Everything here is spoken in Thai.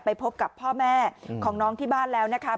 พบกับพ่อแม่ของน้องที่บ้านแล้วนะคะ